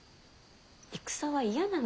戦は嫌なのです。